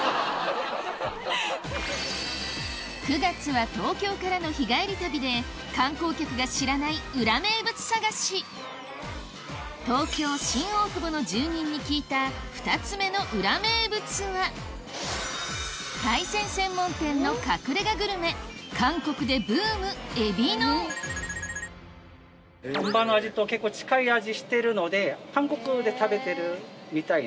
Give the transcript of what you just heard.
９月は東京からの日帰り旅で観光客が知らない裏名物探し東京・新大久保の住人に聞いた２つ目の裏名物は本場の味と結構近い味してるので韓国で食べてるみたいな。